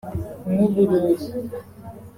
nk’ubururu